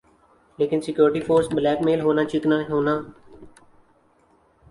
لیکن security force blackmail ہونا چکنا ہونا